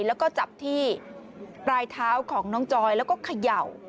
แล้วก็จับที่ปลายเท้าของน้องจอยแล้วก็เขย่า